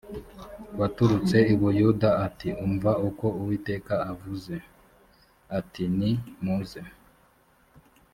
waturutse i buyuda ati umva uko uwiteka avuze ati nimuze